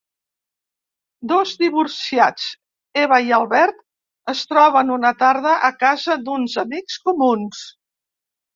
Dos divorciats, Eva i Albert, es troben una tarda a casa d'uns amics comuns.